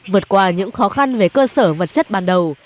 vượt qua những khó khăn về cơ sở vật chất ban đầu